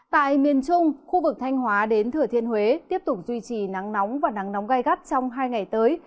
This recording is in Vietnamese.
tại miền trung khu vực thanh hóa đến thừa thiên huế tiếp tục duy trì nắng nóng và nắng nóng gai gắt trong hai ngày tới